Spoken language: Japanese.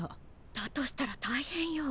だとしたら大変よ。